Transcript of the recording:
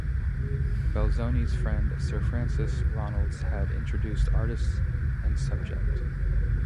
Belzoni's friend Sir Francis Ronalds had introduced artist and subject.